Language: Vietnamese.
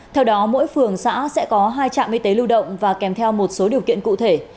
theo đó mỗi phường xã sẽ có hai trạm y tế lưu động và kèm theo một số điều kiện cụ thể